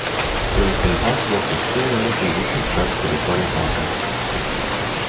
It was then possible to theoretically reconstruct the recording process.